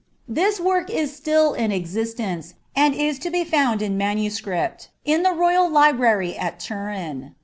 This work is still in existence, and is to be found in MS., in tlie royal library at Turin.